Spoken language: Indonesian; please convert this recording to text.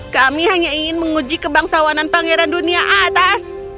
kami hanya ingin menguji kebangsawanan pangeran dunia atas